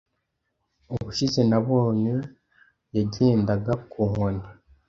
Ubushize nabonye yagendaga ku nkoni.